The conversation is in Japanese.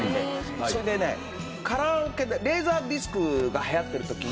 それでねカラオケでレーザーディスクが流行ってる時に。